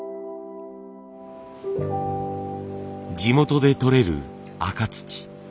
地元でとれる赤土。